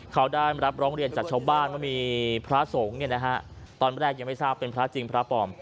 เขาได้รับร้องเรียนจากชาวบ้านว่ามีพระสงฆ์ตอนแรกยังไม่ทราบเป็นพระจริงพระปลอม